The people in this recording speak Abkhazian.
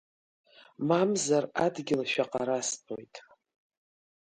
Мамзар адгьыл шәаҟарастәуеит.